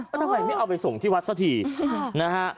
แล้วทำไมไม่เอาไปส่งที่วัดสักทีนะฮะ